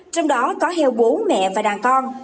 trong đó có heo bố mẹ và đàn con